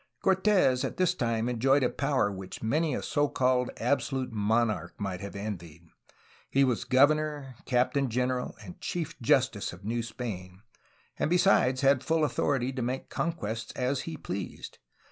Cortes at this time enjoyed a power which many a so called absolute monarch might have envied. He was governor, captain general, and chief justice of New Spain, and, be sides, had full authority to make conquests as he pleased.